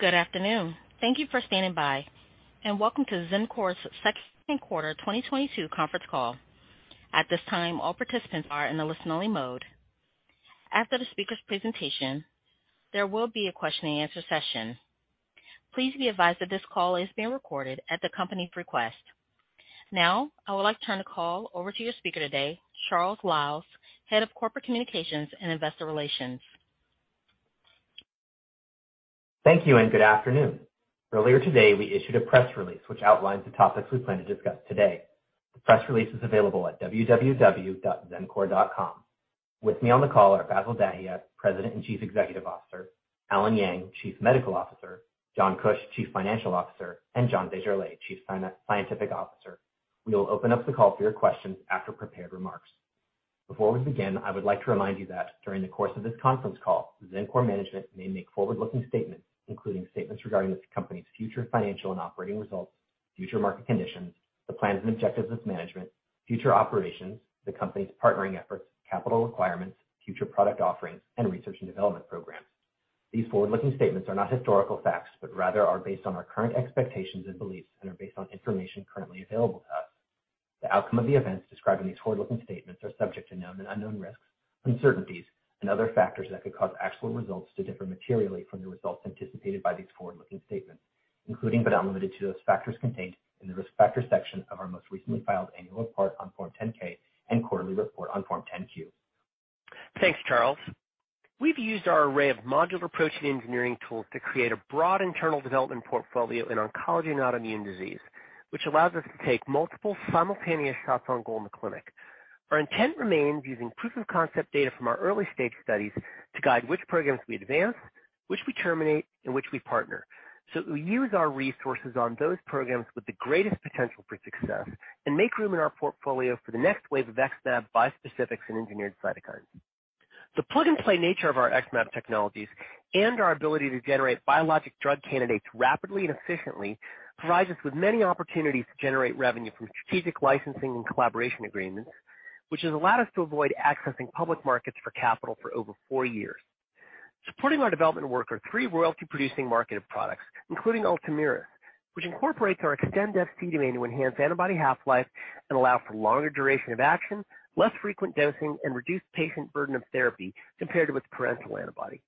Good afternoon. Thank you for standing by, and welcome to Xencor's second quarter 2022 conference call. At this time, all participants are in the listening mode. After the speaker's presentation, there will be a question and answer session. Please be advised that this call is being recorded at the company's request. Now, I would like to turn the call over to your speaker today, Charles Liles, Head of Corporate Communications and Investor Relations. Thank you and good afternoon. Earlier today, we issued a press release which outlines the topics we plan to discuss today. The press release is available at www.xencor.com. With me on the call are Bassil Dahiyat, President and Chief Executive Officer, Allen Yang, Chief Medical Officer, John Kuch, Chief Financial Officer, and John Desjarlais, Chief Scientific Officer. We will open up the call for your questions after prepared remarks. Before we begin, I would like to remind you that during the course of this conference call, Xencor management may make forward-looking statements, including statements regarding the company's future financial and operating results, future market conditions, the plans and objectives of management, future operations, the company's partnering efforts, capital requirements, future product offerings, and research and development programs. These forward-looking statements are not historical facts, but rather are based on our current expectations and beliefs and are based on information currently available to us. The outcome of the events described in these forward-looking statements are subject to known and unknown risks, uncertainties, and other factors that could cause actual results to differ materially from the results anticipated by these forward-looking statements, including but not limited to those factors contained in the Risk Factors section of our most recently filed annual report on Form 10-K and quarterly report on Form 10-Q. Thanks, Charles. We've used our array of modular protein engineering tools to create a broad internal development portfolio in oncology and autoimmune disease, which allows us to take multiple simultaneous shots on goal in the clinic. Our intent remains using proof of concept data from our early-stage studies to guide which programs we advance, which we terminate, and which we partner, so we use our resources on those programs with the greatest potential for success and make room in our portfolio for the next wave of XmAb bispecifics and engineered cytokines. The plug-and-play nature of our XmAb technologies and our ability to generate biologic drug candidates rapidly and efficiently provides us with many opportunities to generate revenue from strategic licensing and collaboration agreements, which has allowed us to avoid accessing public markets for capital for over four years. Supporting our development work are three royalty-producing marketed products, including Ultomiris, which incorporates our XmAb Fc domain to enhance antibody half-life and allow for longer duration of action, less frequent dosing, and reduced patient burden of therapy compared with parental antibody.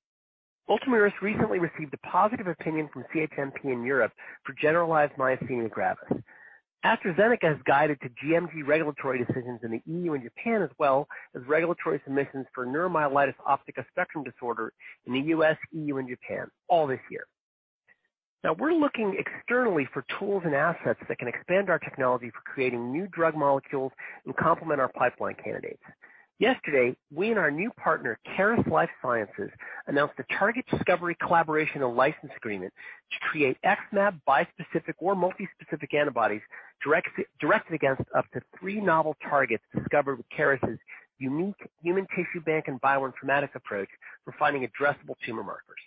Ultomiris recently received a positive opinion from CHMP in Europe for generalized myasthenia gravis. AstraZeneca has guided to gMG regulatory decisions in the E.U. and Japan as well as regulatory submissions for neuromyelitis optica spectrum disorder in the U.S., E.U., and Japan, all this year. Now we're looking externally for tools and assets that can expand our technology for creating new drug molecules and complement our pipeline candidates. Yesterday, we and our new partner, Caris Life Sciences, announced a target discovery collaboration and license agreement to create XmAb bispecific or multi-specific antibodies directed against up to three novel targets discovered with Caris' unique human tissue bank and bioinformatics approach for finding addressable tumor markers.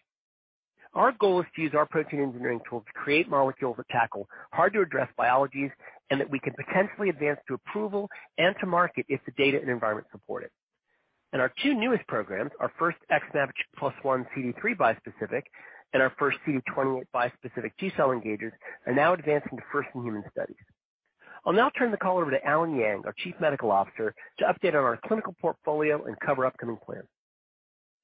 Our goal is to use our protein engineering tools to create molecules that tackle hard-to-address biologies and that we can potentially advance to approval and to market if the data and environment support it. Our two newest programs, our first XmAb plus one CD3 bispecific and our first CD28 bispecific T-cell engagers, are now advancing to first-in-human studies. I'll now turn the call over to Allen Yang, our Chief Medical Officer, to update on our clinical portfolio and cover upcoming plans.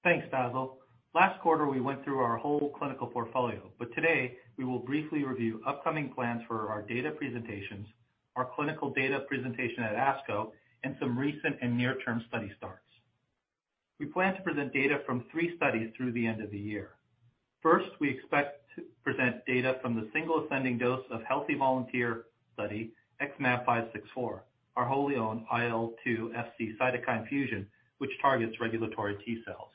Thanks, Bassil. Last quarter, we went through our whole clinical portfolio, but today we will briefly review upcoming plans for our data presentations, our clinical data presentation at ASCO, and some recent and near-term study starts. We plan to present data from three studies through the end of the year. First, we expect to present data from the single ascending dose healthy volunteer study XmAb564, our wholly-owned IL-2 Fc cytokine fusion, which targets regulatory T-cells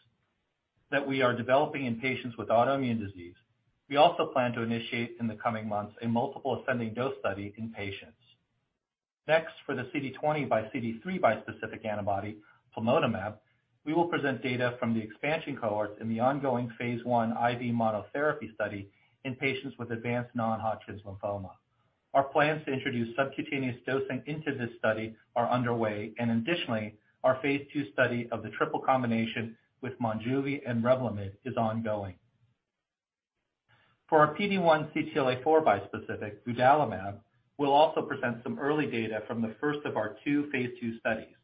that we are developing in patients with autoimmune disease. We also plan to initiate in the coming months a multiple ascending dose study in patients. Next, for the CD20 x CD3 bispecific antibody, plamotamab, we will present data from the expansion cohort in the ongoing phase I IV monotherapy study in patients with advanced non-Hodgkin's lymphoma. Our plans to introduce subcutaneous dosing into this study are underway, and additionally, our phase II study of the triple combination with Monjuvi and Revlimid is ongoing. For our PD-1 CTLA-4 bispecific, vudalimab, we'll also present some early data from the first of our two phase II studies,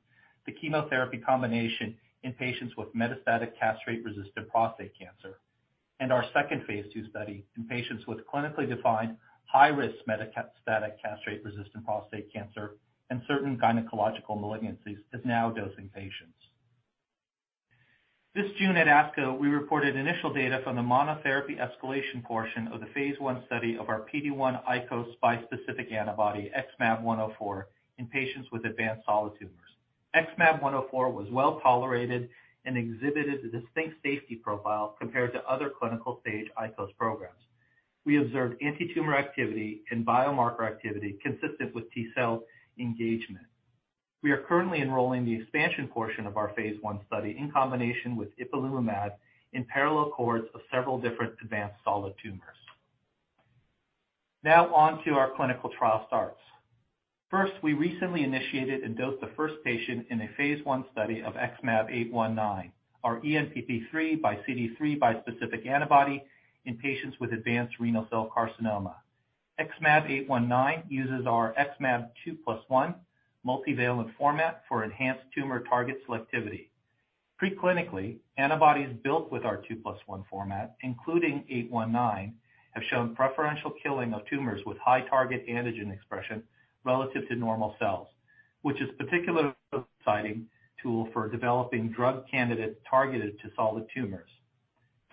the chemotherapy combination in patients with metastatic castrate-resistant prostate cancer. Our second phase II study in patients with clinically defined high-risk metastatic castrate-resistant prostate cancer and certain gynecological malignancies is now dosing patients. This June at ASCO, we reported initial data from the monotherapy escalation portion of the phase I study of our PD-1 ICOS bispecific antibody, XmAb104, in patients with advanced solid tumors. XmAb104 was well-tolerated and exhibited a distinct safety profile compared to other clinical-stage ICOS programs. We observed antitumor activity and biomarker activity consistent with T-cell engagement. We are currently enrolling the expansion portion of our phase I study in combination with ipilimumab in parallel cohorts of several different advanced solid tumors. Now on to our clinical trial starts. First, we recently initiated and dosed the first patient in a phase I study of XmAb819, our ENPP3 x CD3 bispecific antibody in patients with advanced renal cell carcinoma. XmAb819 uses our XmAb 2+1 multivalent format for enhanced tumor target selectivity. Pre-clinically, antibodies built with our 2+1 format, including 819, have shown preferential killing of tumors with high target antigen expression relative to normal cells, which is particularly exciting tool for developing drug candidates targeted to solid tumors.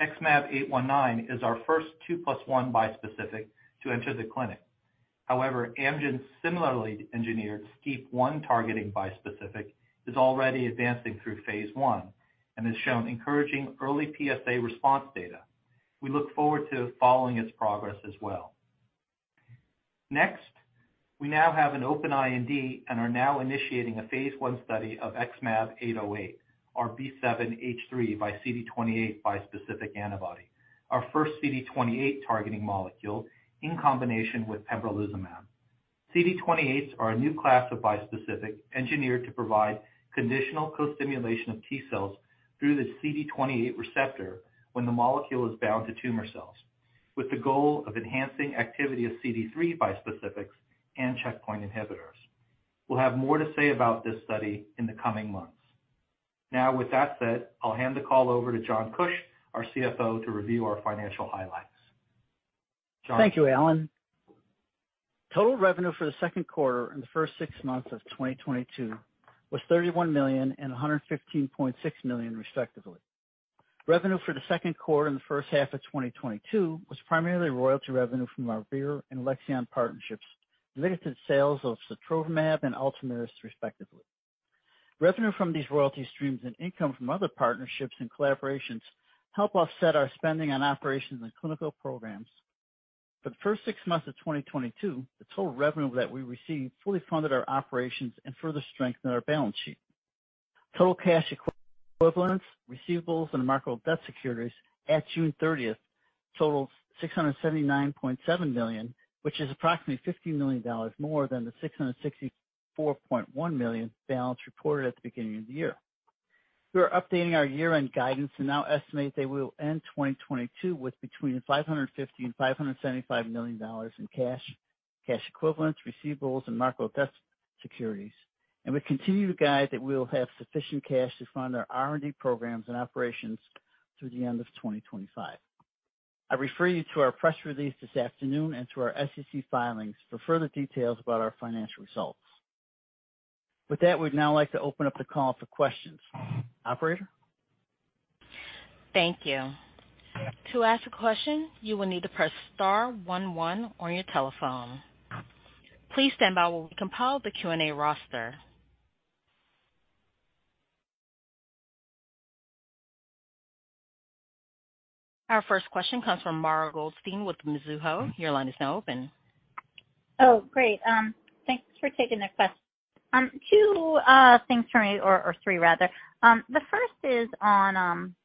XmAb819 is our first 2+1 bispecific to enter the clinic. However, Amgen's similarly engineered STEAP1 targeting bispecific is already advancing through phase I and has shown encouraging early PSA response data. We look forward to following its progress as well. Next, we now have an open IND and are now initiating a phase I study of XmAb808, our B7-H3 x CD28 bispecific antibody, our first CD28 targeting molecule in combination with Pembrolizumab. CD28s are a new class of bispecific engineered to provide conditional co-stimulation of T cells through the CD28 receptor when the molecule is bound to tumor cells with the goal of enhancing activity of CD3 bispecifics and checkpoint inhibitors. We'll have more to say about this study in the coming months. Now with that said, I'll hand the call over to John Kuch, our CFO, to review our financial highlights. John? Thank you, Allen. Total revenue for the second quarter and the first six months of 2022 was $31 million and $115.6 million, respectively. Revenue for the second quarter and the first half of 2022 was primarily royalty revenue from our Vir and Alexion partnerships related to the sales of Sotrovimab and Ultomiris, respectively. Revenue from these royalty streams and income from other partnerships and collaborations help offset our spending on operations and clinical programs. For the first six months of 2022, the total revenue that we received fully funded our operations and further strengthened our balance sheet. Total cash equivalents, receivables, and marketable debt securities at June 30 totaled $679.7 million, which is approximately $50 million more than the $664.1 million balance reported at the beginning of the year. We are updating our year-end guidance and now estimate that we will end 2022 with between $550 million and $575 million in cash equivalents, receivables, and marketable debt securities. We continue to guide that we will have sufficient cash to fund our R&D programs and operations through the end of 2025. I refer you to our press release this afternoon and to our SEC filings for further details about our financial results. With that, we'd now like to open up the call for questions. Operator? Thank you. To ask a question, you will need to press star one one on your telephone. Please stand by while we compile the Q&A roster. Our first question comes from Mara Goldstein with Mizuho. Your line is now open. Oh, great. Thanks for taking two things for me or three rather. The first is on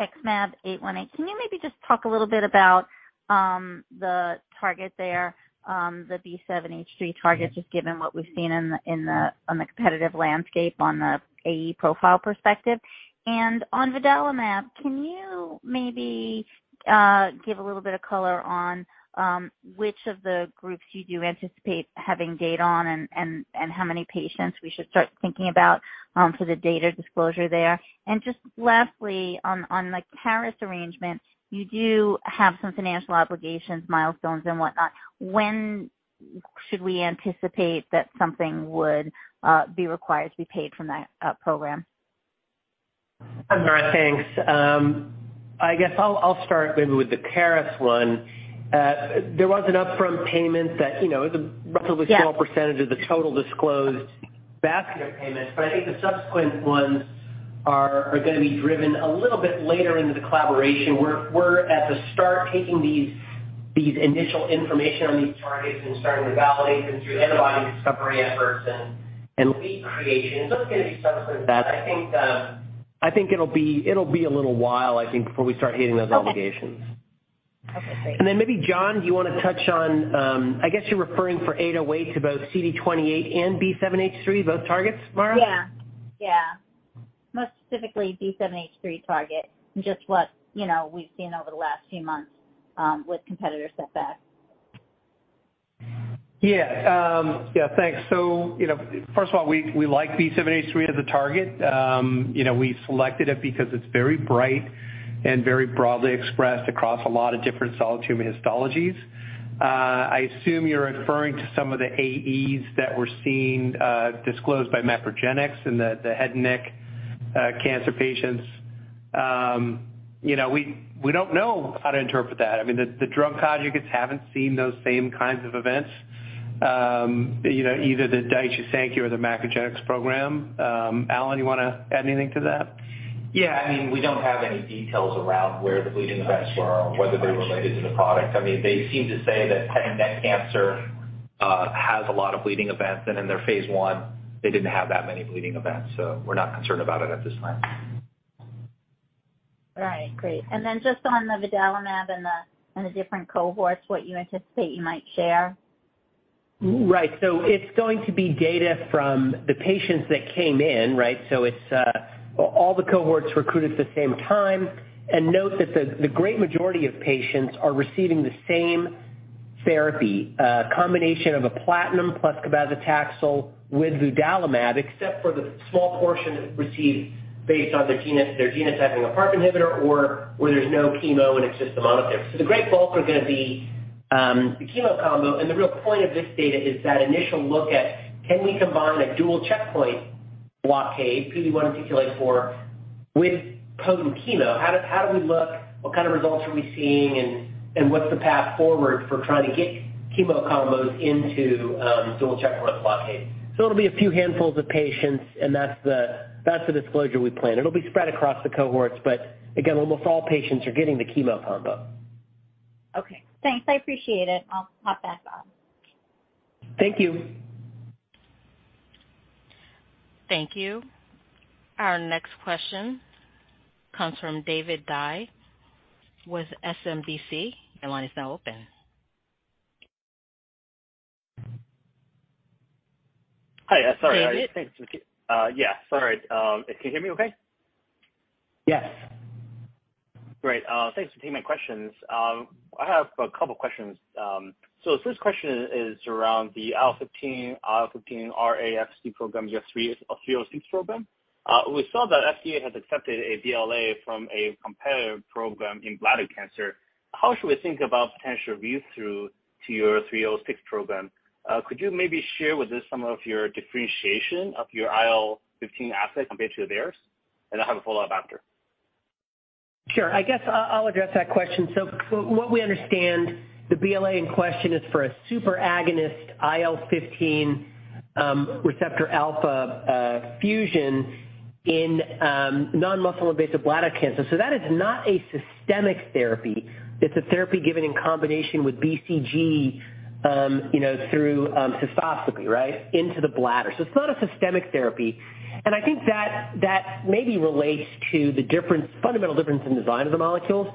XmAb808. Can you maybe just talk a little bit about the target there, the B7H3 target, just given what we've seen in the competitive landscape on the AE profile perspective. On vudalimab, can you maybe give a little bit of color on which of the groups you do anticipate having data on and how many patients we should start thinking about for the data disclosure there? Just lastly, on the Caris arrangement, you do have some financial obligations, milestones and whatnot. When should we anticipate that something would be required to be paid from that program? Hi, Mara Goldstein. Thanks. I guess I'll start maybe with the Caris one. There was an upfront payment that, you know, is a relatively small percentage of the total disclosed basket of payments. I think the subsequent ones are gonna be driven a little bit later into the collaboration. We're at the start taking these initial information on these targets and starting to validate them through antibody discovery efforts and lead creation. Those are gonna be subsequent events. I think it'll be a little while, I think, before we start hitting those obligations. Okay. Okay, great. Maybe John, do you wanna touch on, I guess you're referring for 808 to both CD28 and B7H3, both targets, Mara? Yeah. Most specifically B7H3 target, just what, you know, we've seen over the last few months with competitor setbacks. Yeah. Yeah, thanks. You know, first of all, we like B7H3 as a target. You know, we selected it because it's very bright and very broadly expressed across a lot of different solid tumor histologies. I assume you're referring to some of the AEs that were seen, disclosed by MacroGenics in the head and neck cancer patients. You know, we don't know how to interpret that. I mean, the drug conjugates haven't seen those same kinds of events, you know, either the Daiichi Sankyo or the MacroGenics program. Allen, you wanna add anything to that? Yeah. I mean, we don't have any details around where the bleeding events were or whether they were related to the product. I mean, they seem to say that head and neck cancer has a lot of bleeding events, and in their phase I, they didn't have that many bleeding events, so we're not concerned about it at this time. Right. Great. Just on the vudalimab and the different cohorts, what you anticipate you might share? Right. It's going to be data from the patients that came in, right? It's all the cohorts recruited at the same time. Note that the great majority of patients are receiving the same therapy combination of a platinum plus cabazitaxel with vudalimab, except for the small portion that received based on their genotyping of PARP inhibitor or where there's no chemo and it's just a monotherapy. The great bulk are gonna be the chemo combo. The real point of this data is that initial look at can we combine a dual checkpoint blockade PD-1, CTLA-4 with potent chemo. How do we look? What kind of results are we seeing, and what's the path forward for trying to get chemo combos into dual checkpoint blockade? It'll be a few handfuls of patients, and that's the disclosure we plan. It'll be spread across the cohorts, but again, almost all patients are getting the chemo combo. Okay, thanks. I appreciate it. I'll hop back on. Thank you. Thank you. Our next question comes from David Dai with SMBC. Your line is now open. Hi. Sorry. David? Thanks. Yeah, sorry. Can you hear me okay? Yes. Great. Thanks for taking my questions. I have a couple questions. This question is around the IL-15, IL-15Rα-Fc program, you have 306 program. We saw that FDA has accepted a BLA from a competitive program in bladder cancer. How should we think about potential read-through to your 306 program? Could you maybe share with us some of your differentiation of your IL-15 asset compared to theirs? I have a follow-up after. Sure. I guess I'll address that question. What we understand the BLA in question is for a super agonist IL-15 receptor alpha fusion in non-muscle invasive bladder cancer. That is not a systemic therapy. It's a therapy given in combination with BCG, you know, through cystoscopy, right, into the bladder. It's not a systemic therapy. I think that maybe relates to the fundamental difference in design of the molecules.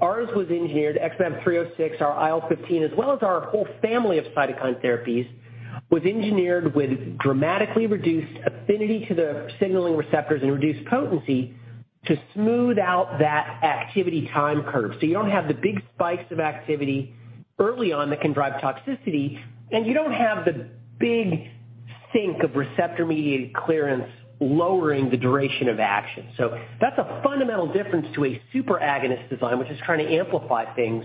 Ours was engineered XmAb306, our IL-15, as well as our whole family of cytokine therapies, was engineered with dramatically reduced affinity to the signaling receptors and reduced potency to smooth out that activity time curve. You don't have the big spikes of activity early on that can drive toxicity, and you don't have the big sink of receptor-mediated clearance lowering the duration of action. That's a fundamental difference to a super agonist design, which is trying to amplify things.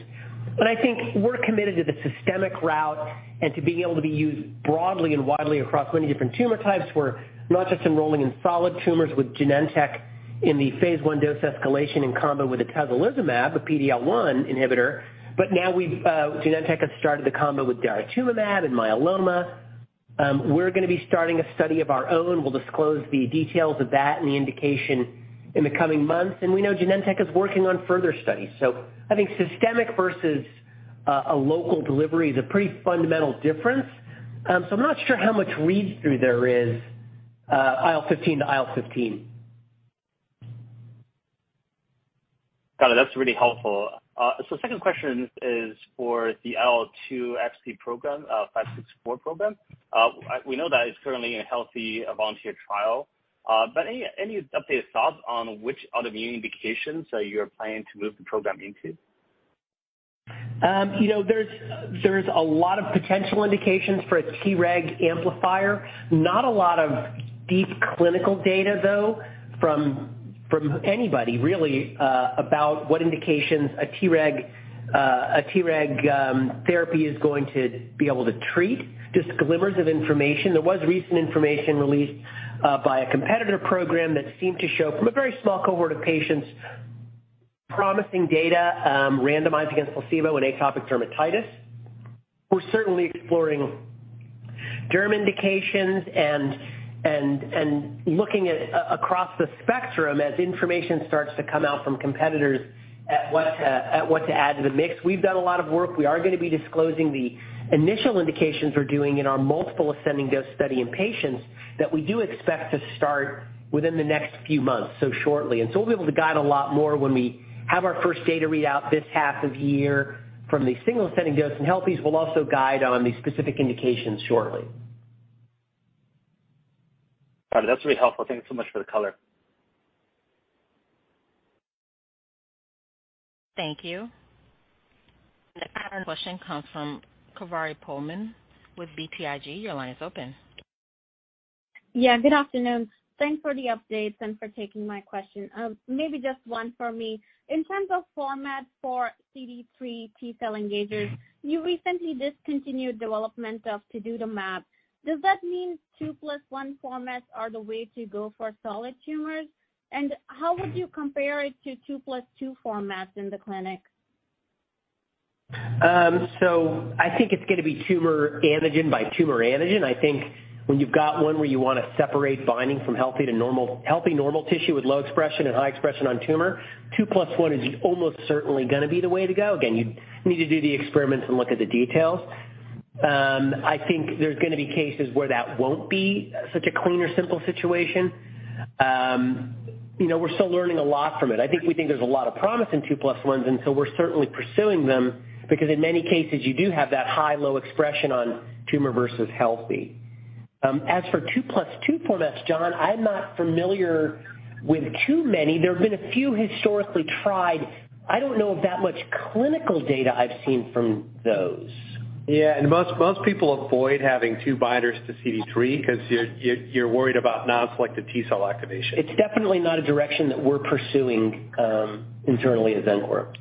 I think we're committed to the systemic route and to being able to be used broadly and widely across many different tumor types. We're not just enrolling in solid tumors with Genentech in the phase I dose escalation in combo with atezolizumab, a PD-L1 inhibitor. Now Genentech has started the combo with daratumumab and myeloma. We're gonna be starting a study of our own. We'll disclose the details of that and the indication in the coming months. We know Genentech is working on further studies. I think systemic versus a local delivery is a pretty fundamental difference. I'm not sure how much read-through there is, IL-15 to IL-15. Got it. That's really helpful. Second question is for the IL-2 Fc program, 564 program. We know that it's currently a healthy volunteer trial. Any updated thoughts on which autoimmune indications are you planning to move the program into? You know, there's a lot of potential indications for a T-reg amplifier. Not a lot of deep clinical data, though, from anybody really, about what indications a T-reg therapy is going to be able to treat, just glimmers of information. There was recent information released by a competitor program that seemed to show, from a very small cohort of patients, promising data, randomized against placebo in atopic dermatitis. We're certainly exploring derm indications and looking across the spectrum as information starts to come out from competitors at what to add to the mix. We've done a lot of work. We are gonna be disclosing the initial indications we're doing in our multiple ascending dose study in patients that we do expect to start within the next few months, so shortly. We'll be able to guide a lot more when we have our first data readout this half of the year from the single ascending dose in healthies. We'll also guide on the specific indications shortly. All right. That's really helpful. Thank you so much for the color. Thank you. Next question comes from Kaveri Pohlman with BTIG. Your line is open. Yeah, good afternoon. Thanks for the updates and for taking my question. Maybe just one for me. In terms of format for CD3 T-cell engagers, you recently discontinued development of tidutamab. Does that mean two plus one formats are the way to go for solid tumors? How would you compare it to two plus two formats in the clinic? I think it's gonna be tumor antigen by tumor antigen. I think when you've got one where you wanna separate binding from healthy normal tissue with low expression and high expression on tumor, two plus one is almost certainly gonna be the way to go. Again, you need to do the experiments and look at the details. I think there's gonna be cases where that won't be such a clean or simple situation. You know, we're still learning a lot from it. I think we think there's a lot of promise in two plus ones, and so we're certainly pursuing them because in many cases, you do have that high, low expression on tumor versus healthy. As for two plus two formats, John, I'm not familiar with too many. There have been a few historically tried. I don't know of that much clinical data I've seen from those. Yeah. Most people avoid having two binders to CD3 because you're worried about non-selected T-cell activation. It's definitely not a direction that we're pursuing internally at Xencor.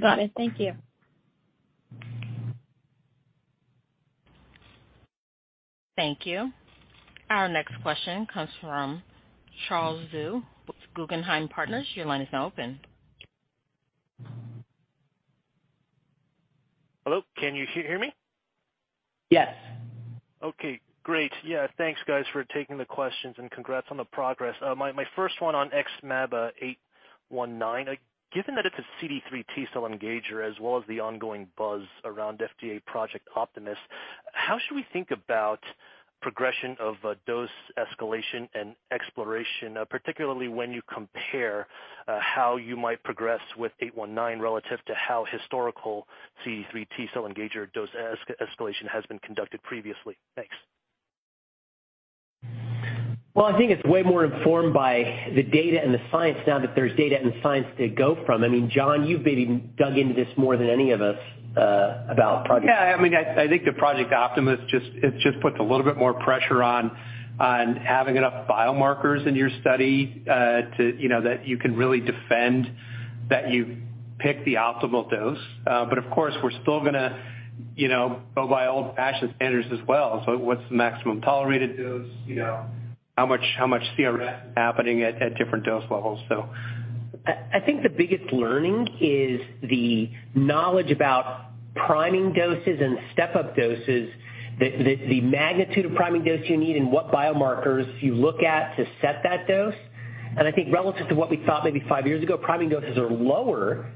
Got it. Thank you. Thank you. Our next question comes from Charles Zhu with Guggenheim Partners. Your line is now open. Hello, can you hear me? Yes. Okay, great. Yeah, thanks, guys, for taking the questions, and congrats on the progress. My first one on XmAb819. Given that it's a CD3 T-cell engager as well as the ongoing buzz around FDA Project Optimus, how should we think about progression of dose escalation and exploration, particularly when you compare how you might progress with XmAb819 relative to how historical CD3 T-cell engager dose escalation has been conducted previously? Thanks. Well, I think it's way more informed by the data and the science now that there's data and science to go from. I mean, John, you've maybe dug into this more than any of us about Project. Yeah. I mean, I think the Project Optimus just puts a little bit more pressure on having enough biomarkers in your study, to you know, that you can really defend that you pick the optimal dose. But of course, we're still gonna, you know, go by old-fashioned standards as well. What's the maximum tolerated dose? You know, how much CRS is happening at different dose levels? I think the biggest learning is the knowledge about priming doses and step-up doses, the magnitude of priming dose you need and what biomarkers you look at to set that dose. I think relative to what we thought maybe five years ago, priming doses are lower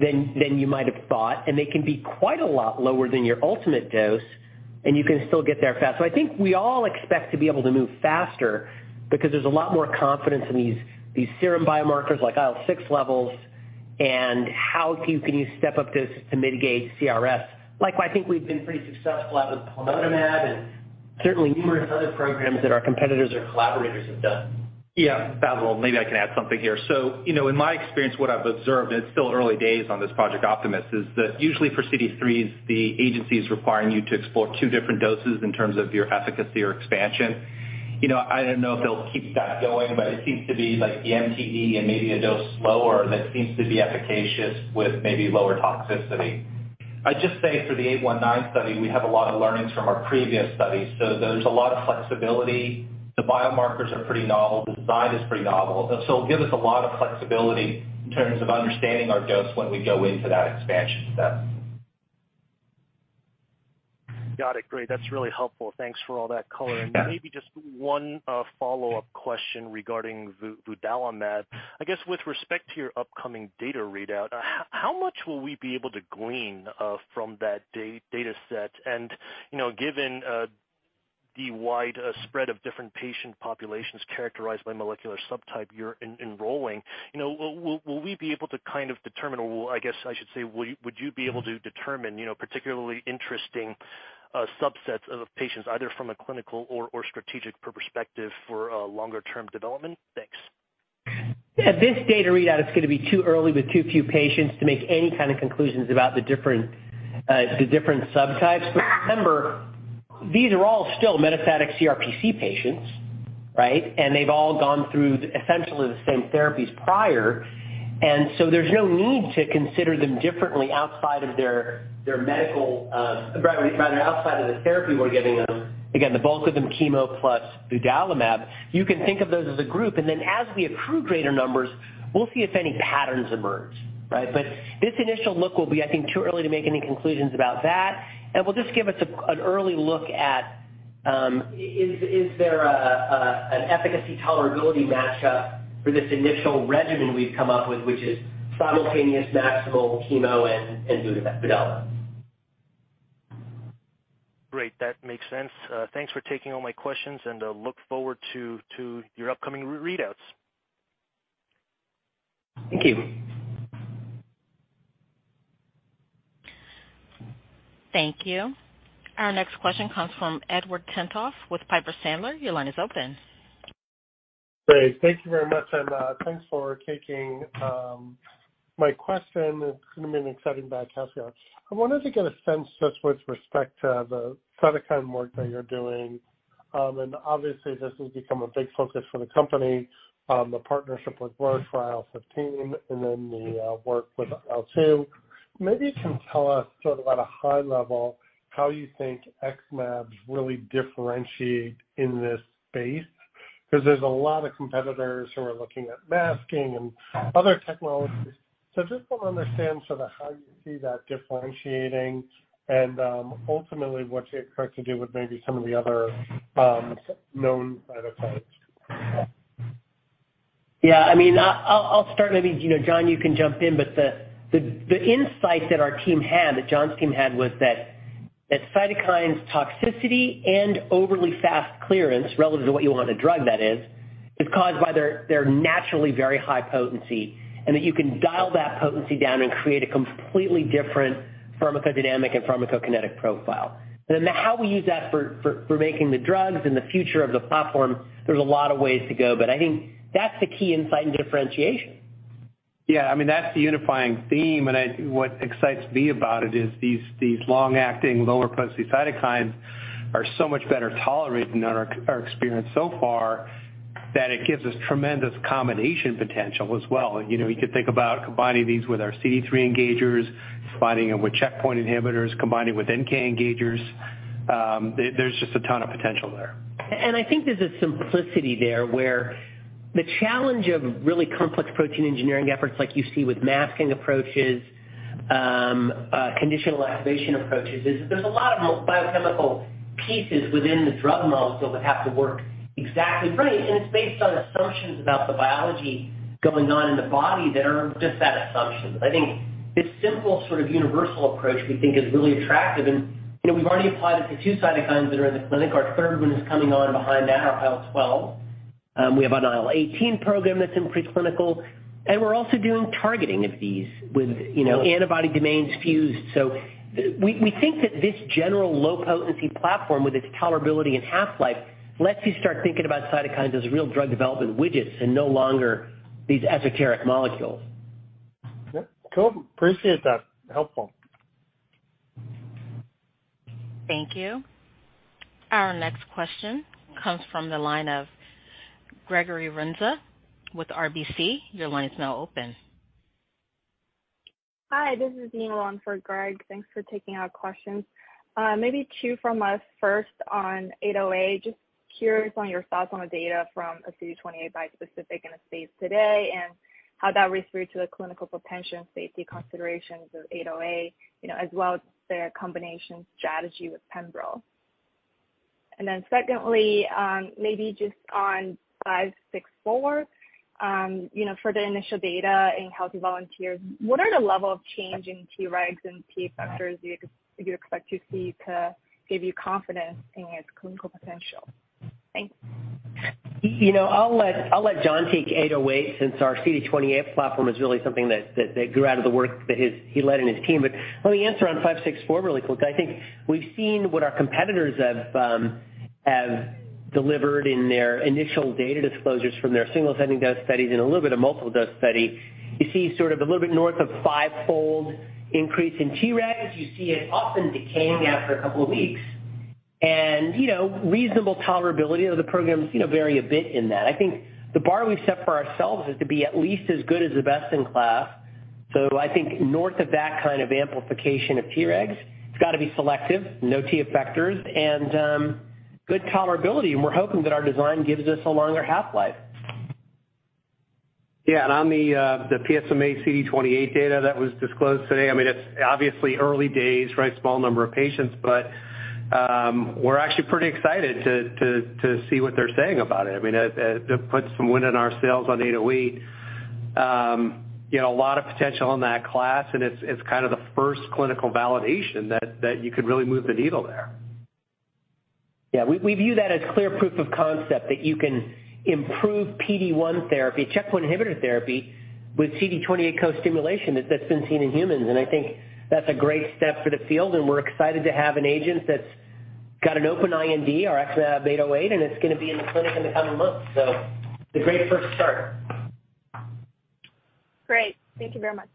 than you might have thought, and they can be quite a lot lower than your ultimate dose, and you can still get there fast. I think we all expect to be able to move faster because there's a lot more confidence in these serum biomarkers like IL-6 levels and how you can step up this to mitigate CRS. Like, I think we've been pretty successful with plamotamab and certainly numerous other programs that our competitors or collaborators have done. Yeah. Bassil, maybe I can add something here. You know, in my experience, what I've observed, and it's still early days on this Project Optimus, is that usually for CD3, the agency is requiring you to explore two different doses in terms of your efficacy or expansion. You know, I don't know if they'll keep that going, but it seems to be like the MTD and maybe a dose lower that seems to be efficacious with maybe lower toxicity. I'd just say for the XmAb819 study, we have a lot of learnings from our previous studies, so there's a lot of flexibility. The biomarkers are pretty novel, the design is pretty novel, so it'll give us a lot of flexibility in terms of understanding our dose when we go into that expansion step. Got it. Great. That's really helpful. Thanks for all that color. Yeah. Maybe just one follow-up question regarding vudalimab. I guess with respect to your upcoming data readout, how much will we be able to glean from that data set? You know, given the wide spread of different patient populations characterized by molecular subtype you're enrolling, you know, will we be able to kind of determine or I guess I should say, would you be able to determine, you know, particularly interesting subsets of patients, either from a clinical or strategic perspective for longer-term development? Thanks. At this data readout, it's gonna be too early with too few patients to make any kind of conclusions about the different subtypes. Remember, these are all still metastatic CRPC patients, right? They've all gone through essentially the same therapies prior. There's no need to consider them differently outside of their medical, rather outside of the therapy we're giving them. Again, the bulk of them, chemo plus vudalimab, you can think of those as a group. As we accrue greater numbers, we'll see if any patterns emerge, right? This initial look will be, I think, too early to make any conclusions about that. We'll just give us an early look at is there an efficacy tolerability match up for this initial regimen we've come up with, which is simultaneous maximal chemo and vudalimab. Great. That makes sense. Thanks for taking all my questions, and look forward to your upcoming readouts. Thank you. Thank you. Our next question comes from Edward Tenthoff with Piper Sandler. Your line is open. Great. Thank you very much. Thanks for taking my question. It's gonna be an exciting 2025. I wanted to get a sense just with respect to the cytokine work that you're doing. Obviously this has become a big focus for the company, the partnership with Roche for IL-15 and then the work with IL-2. Maybe you can tell us sort of at a high level how you think XmAb's really differentiate in this space, because there's a lot of competitors who are looking at masking and other technologies. I just want to understand sort of how you see that differentiating and ultimately what you expect to do with maybe some of the other known cytokines. Yeah, I mean, I'll start maybe, you know, John, you can jump in, but the insight that our team had, that John's team had was that cytokines toxicity and overly fast clearance relative to what you want in a drug, that is caused by their naturally very high potency, and that you can dial that potency down and create a completely different pharmacodynamic and pharmacokinetic profile. How we use that for making the drugs and the future of the platform, there's a lot of ways to go, but I think that's the key insight and differentiation. Yeah. I mean, that's the unifying theme. What excites me about it is these long-acting lower potency cytokines are so much better tolerated in our experience so far that it gives us tremendous combination potential as well. You know, you could think about combining these with our CD3 engagers, combining them with checkpoint inhibitors, combining with NK engagers. There's just a ton of potential there. I think there's a simplicity there where the challenge of really complex protein engineering efforts like you see with masking approaches, conditional activation approaches, is there's a lot of biochemical pieces within the drug molecule that have to work exactly. It's based on assumptions about the biology going on in the body that are just that assumption. I think this simple sort of universal approach we think is really attractive and, you know, we've already applied it to two cytokines that are in the clinic. Our third one is coming on behind that, XmAb-IL-12. We have an IL-18 program that's in preclinical, and we're also doing targeting of these with, you know, antibody domains fused. We think that this general low potency platform with its tolerability and half-life lets you start thinking about cytokines as real drug development widgets and no longer these esoteric molecules. Yeah. Cool. Appreciate that. Helpful. Thank you. Our next question comes from the line of Gregory Renza with RBC. Your line is now open. Hi, this is Ning Long for Greg. Thanks for taking our questions. Maybe two from us. First on 808, just curious on your thoughts on the data from a CD28 bispecific in the space today, and how that referred to the clinical potential and safety considerations of 808, you know, as well as their combination strategy with Pembrol. Then secondly, maybe just on 564, you know, for the initial data in healthy volunteers, what are the level of change in T-regs and T effectors you'd expect to see to give you confidence in its clinical potential? Thanks. You know, I'll let John take XmAb808 since our CD28 platform is really something that grew out of the work that he led in his team. Let me answer on XmAb564 really quick. I think we've seen what our competitors have have delivered in their initial data disclosures from their single ascending dose studies and a little bit of multiple dose study. You see sort of a little bit north of fivefold increase in T-regs. You see it often decaying after a couple of weeks. You know, reasonable tolerability of the programs, you know, vary a bit in that. I think the bar we've set for ourselves is to be at least as good as the best in class. I think north of that kind of amplification of T-regs, it's got to be selective, no T effectors, and good tolerability, and we're hoping that our design gives us a longer half-life. Yeah. On the PSMA CD28 data that was disclosed today, I mean, it's obviously early days, right? Small number of patients, but we're actually pretty excited to see what they're saying about it. I mean, that puts some wind in our sails on eight oh eight. You know, a lot of potential in that class, and it's kind of the first clinical validation that you could really move the needle there. Yeah. We view that as clear proof of concept that you can improve PD-1 therapy, checkpoint inhibitor therapy with CD28 co-stimulation that's been seen in humans. I think that's a great step for the field, and we're excited to have an agent that's got an open IND, XmAb808, and it's going to be in the clinic in the coming months. It's a great first start. Great. Thank you very much.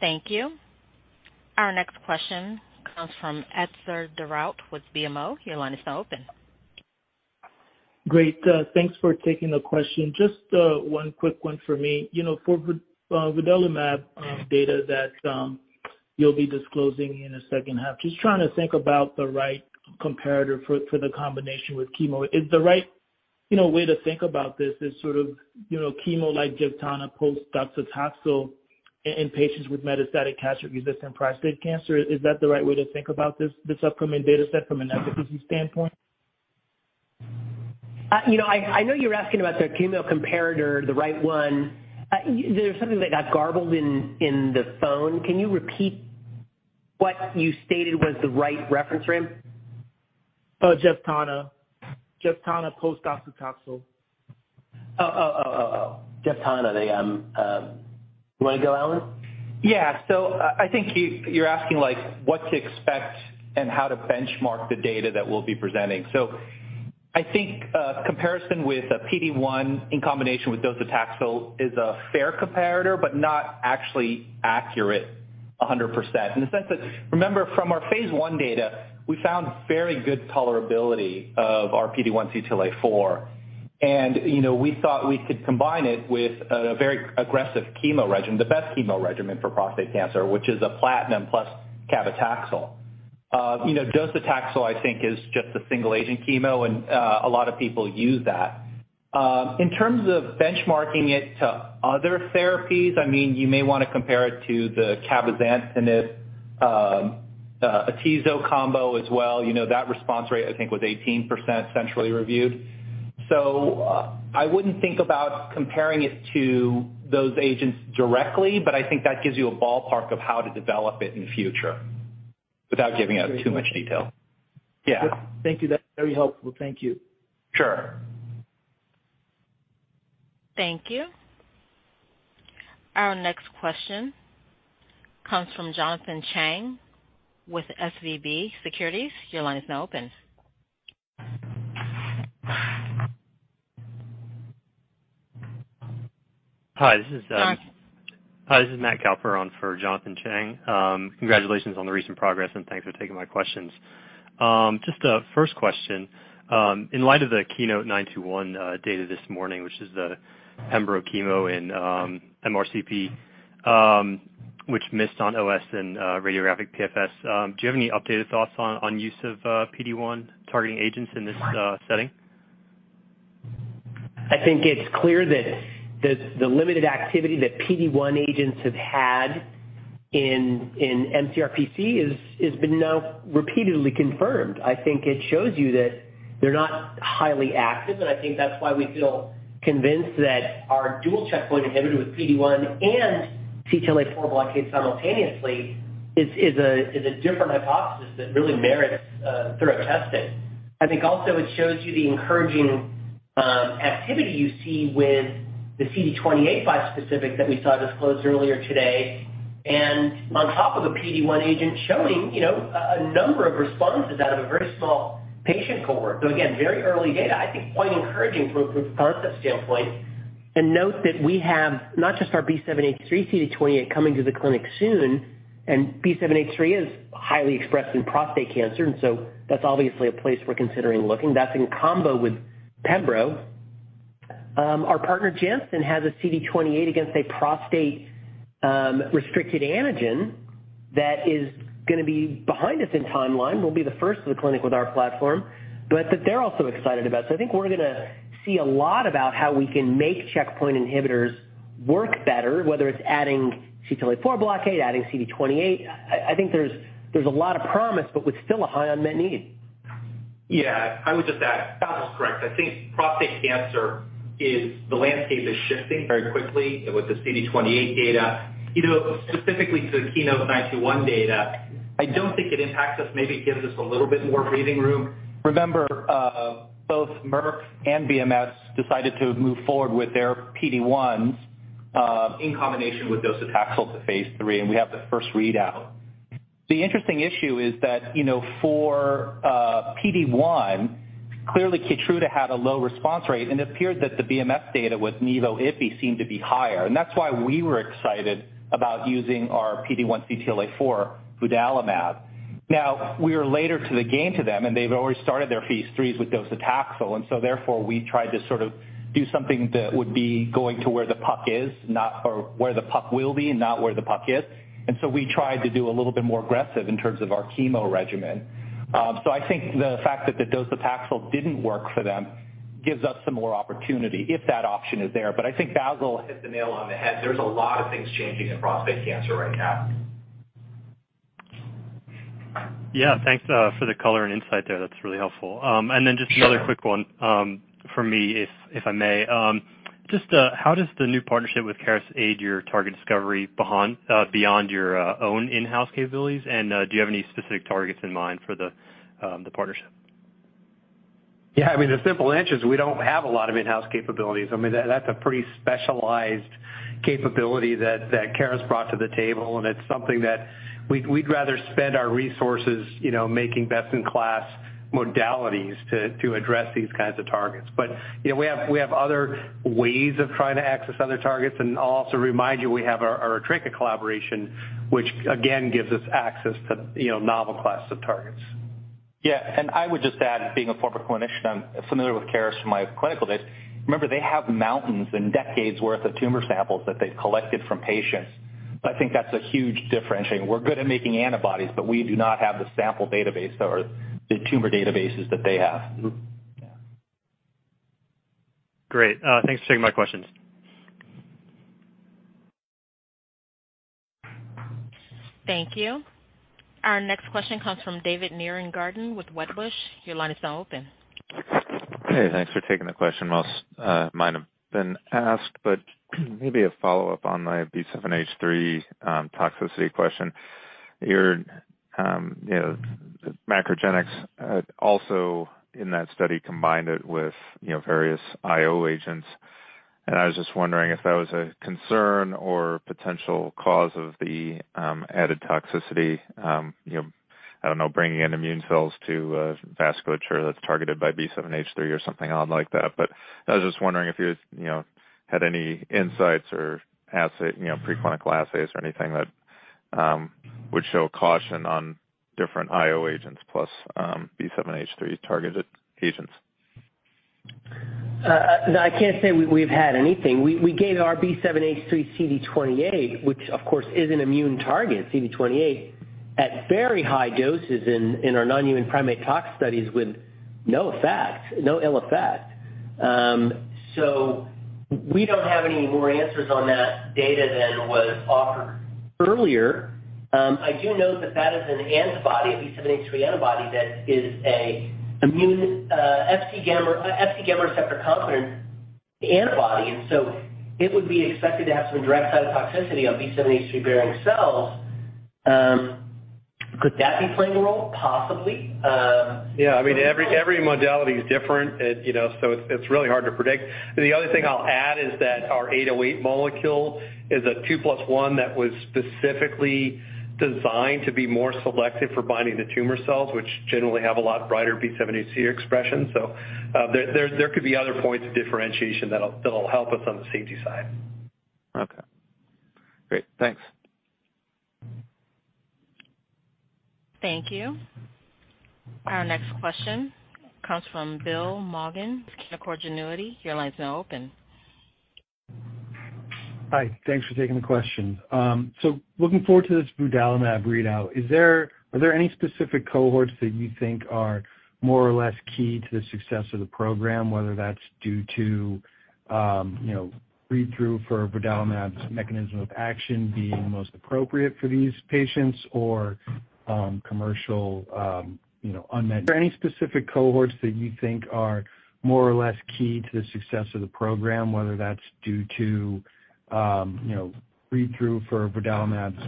Thank you. Our next question comes from Etzer Darout with BMO. Your line is now open. Great. Thanks for taking the question. Just one quick one for me. You know, for vudalimab, data that you'll be disclosing in the second half, just trying to think about the right comparator for the combination with chemo. Is the right, you know, way to think about this is sort of, you know, chemo like Jevtana post docetaxel in patients with metastatic castrate-resistant prostate cancer, is that the right way to think about this upcoming data set from an efficacy standpoint? You know, I know you're asking about the chemo comparator, the right one. There's something that got garbled in the phone. Can you repeat what you stated was the right reference frame? Jevtana. Jevtana post docetaxel. Jevtana. You want to go, Allen? Yeah. I think you're asking, like, what to expect and how to benchmark the data that we'll be presenting. I think, comparison with a PD-1 in combination with docetaxel is a fair comparator, but not actually accurate 100%. In the sense that, remember from our phase I data, we found very good tolerability of our PD-1 CTLA-4. You know, we thought we could combine it with a very aggressive chemo regimen, the best chemo regimen for prostate cancer, which is a platinum plus cabazitaxel. You know, docetaxel, I think, is just a single agent chemo, and a lot of people use that. In terms of benchmarking it to other therapies, I mean, you may wanna compare it to the cabozantinib, atezo combo as well. You know, that response rate, I think, was 18% centrally reviewed. I wouldn't think about comparing it to those agents directly, but I think that gives you a ballpark of how to develop it in the future without giving out too much detail. Great. Yeah. Thank you. That's very helpful. Thank you. Sure. Thank you. Our next question comes from Jonathan Chang with SVB Securities. Your line is now open. Hi, this is. Hi. Hi, this is Matthew Kaplan on for Jonathan Chang. Congratulations on the recent progress, and thanks for taking my questions. Just a first question, in light of the KEYNOTE-921 data this morning, which is the pembro chemo and mCRPC, which missed on OS and radiographic PFS, do you have any updated thoughts on use of PD-1 targeting agents in this setting? I think it's clear that the limited activity that PD-1 agents have had in mCRPC has been now repeatedly confirmed. I think it shows you that they're not highly active, and I think that's why we feel convinced that our dual checkpoint inhibitor with PD-1 and CTLA-4 blockade simultaneously is a different hypothesis that really merits thorough testing. I think also it shows you the encouraging activity you see with the CD28 bispecific that we saw disclosed earlier today, and on top of a PD-1 agent showing, you know, a number of responses out of a very small patient cohort. Again, very early data, I think quite encouraging from concept standpoint. Note that we have not just our B7H3 CD28 coming to the clinic soon, and B7H3 is highly expressed in prostate cancer, and so that's obviously a place we're considering looking. That's in combo with pembro. Our partner, Janssen, has a CD28 against a prostate restricted antigen that is gonna be behind us in timeline. We'll be the first to the clinic with our platform, but that they're also excited about. I think we're gonna see a lot about how we can make checkpoint inhibitors work better, whether it's adding CTLA-4 blockade, adding CD28. I think there's a lot of promise, but with still a high unmet need. Yeah. I would just add, Bassil's correct. I think prostate cancer is. The landscape is shifting very quickly with the CD28 data. You know, specifically to the KEYNOTE-921 data, I don't think it impacts us, maybe gives us a little bit more breathing room. Remember, both Merck and BMS decided to move forward with their PD-1s, in combination with docetaxel to phase three, and we have the first readout. The interesting issue is that, you know, for PD-1, clearly Keytruda had a low response rate, and it appeared that the BMS data with Nivo/Ipi seemed to be higher, and that's why we were excited about using our PD-1 CTLA-4, vudalimab. Now, we are later to the game to them, and they've already started their phase threes with docetaxel. We tried to sort of do something that would be going to where the puck will be and not where the puck is. We tried to do a little bit more aggressive in terms of our chemo regimen. I think the fact that the docetaxel didn't work for them gives us some more opportunity if that option is there. I think Bassil hit the nail on the head. There's a lot of things changing in prostate cancer right now. Yeah. Thanks for the color and insight there. That's really helpful. Just another- Sure. A quick one from me if I may. Just how does the new partnership with Caris aid your target discovery beyond your own in-house capabilities? Do you have any specific targets in mind for the partnership? Yeah. I mean, the simple answer is we don't have a lot of in-house capabilities. I mean, that's a pretty specialized capability that Caris brought to the table, and it's something that we'd rather spend our resources, you know, making best-in-class modalities to address these kinds of targets. You know, we have other ways of trying to access other targets. I'll also remind you, we have our Atreca collaboration, which again gives us access to, you know, novel classes of targets. Yeah. I would just add, being a former clinician, I'm familiar with Caris from my clinical days. Remember, they have mountains and decades worth of tumor samples that they've collected from patients. I think that's a huge differentiating. We're good at making antibodies, but we do not have the sample database or the tumor databases that they have. Mm-hmm. Yeah. Great. Thanks for taking my questions. Thank you. Our next question comes from David Nierengarten with Wedbush. Your line is now open. Hey, thanks for taking the question. Most might have been asked, but maybe a follow-up on my B7H3 toxicity question. I heard, you know, MacroGenics also in that study combined it with, you know, various IO agents, and I was just wondering if that was a concern or potential cause of the added toxicity, you know, I don't know, bringing in immune cells to a vasculature that's targeted by B7H3 or something odd like that. I was just wondering if you know, had any insights or assay, you know, preclinical assays or anything that would show caution on different IO agents plus B7H3 targeted agents. No, I can't say we've had anything. We gave our B7H3 CD28, which of course is an immune target, CD28 at very high doses in our non-human primate tox studies with no effect, no ill effect. We don't have any more answers on that data than was offered earlier. I do note that is an antibody, a B7H3 antibody that is an immune Fc gamma receptor competent antibody. It would be expected to have some direct cytotoxicity on B7H3-bearing cells. Could that be playing a role? Possibly. Yeah. I mean, every modality is different. You know, it's really hard to predict. The other thing I'll add is that our XmAb808 molecule is a 2+1 that was specifically designed to be more selective for binding the tumor cells, which generally have a lot brighter B7-H3 expression. There could be other points of differentiation that'll help us on the safety side. Okay, great. Thanks. Thank you. Our next question comes from William Maughan with Canaccord Genuity. Your line is now open. Hi. Thanks for taking the question. So looking forward to this vudalimab readout. Are there any specific cohorts that you think are more or less key to the success of the program, whether that's due to, you know, read-through for vudalimab's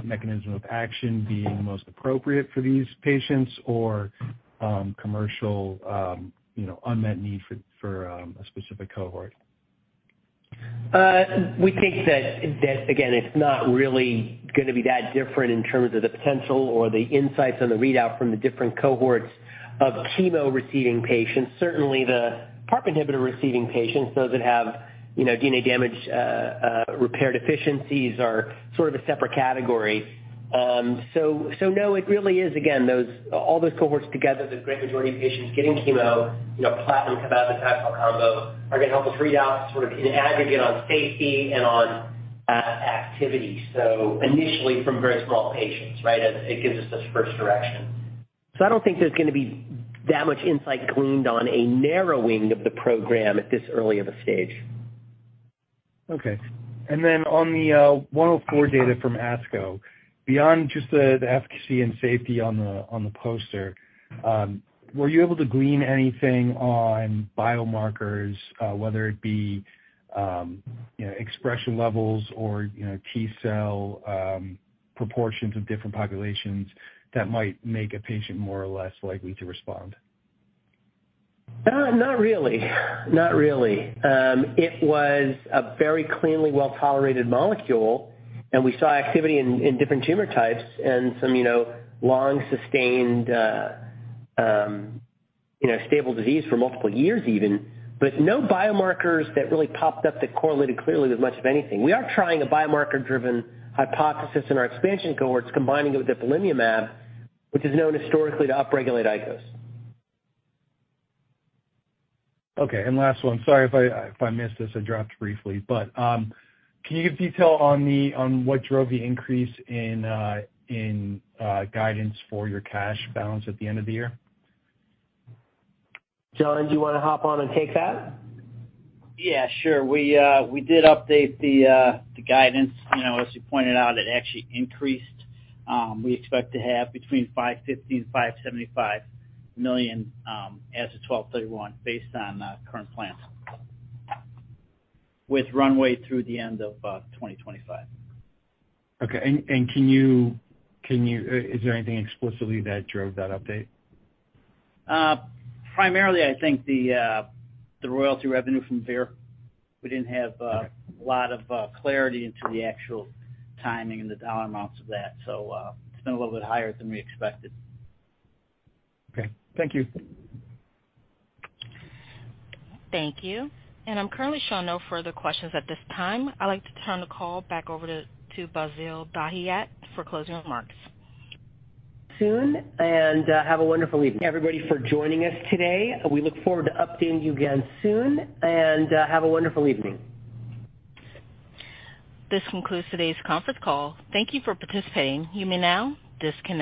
mechanism of action being most appropriate for these patients or commercial, you know, unmet need for a specific cohort? We think that again, it's not really gonna be that different in terms of the potential or the insights on the readout from the different cohorts of chemo-receiving patients. Certainly, the PARP inhibitor-receiving patients, those that have, you know, DNA damage repair deficiencies are sort of a separate category. No, it really is again, all those cohorts together, the great majority of patients getting chemo, you know, platinum cabazitaxel combo are gonna help us read out sort of in aggregate on safety and on activity. Initially from very small patients. It gives us this first direction. I don't think there's gonna be that much insight gleaned on a narrowing of the program at this early of a stage. Okay. On the 104 data from ASCO, beyond just the efficacy and safety on the poster, were you able to glean anything on biomarkers, whether it be, you know, expression levels or, you know, T-cell proportions of different populations that might make a patient more or less likely to respond? Not really. It was a very cleanly well-tolerated molecule, and we saw activity in different tumor types and some, you know, long sustained, you know, stable disease for multiple years even, but no biomarkers that really popped up that correlated clearly with much of anything. We are trying a biomarker-driven hypothesis in our expansion cohorts, combining it with ipilimumab, which is known historically to upregulate ICOS. Okay. Last one, sorry if I missed this, I dropped briefly, but can you give detail on what drove the increase in guidance for your cash balance at the end of the year? John, do you wanna hop on and take that? Yeah, sure. We did update the guidance. You know, as you pointed out, it actually increased. We expect to have between $550 million and $575 million as of 12/31 based on current plans, with runway through the end of 2025. Okay. Is there anything explicitly that drove that update? Primarily I think the royalty revenue from Vir. We didn't have Okay. A lot of clarity into the actual timing and the dollar amounts of that. It's been a little bit higher than we expected. Okay. Thank you. Thank you. I'm currently showing no further questions at this time. I'd like to turn the call back over to Bassil Dahiyat for closing remarks. Have a wonderful evening. Everybody for joining us today, we look forward to updating you again soon, and have a wonderful evening. This concludes today's conference call. Thank you for participating. You may now disconnect.